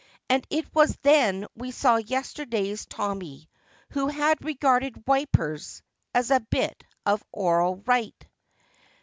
And it was then we saw yesterday's Tommy who had regarded "Wipers" as a "bit of orl right."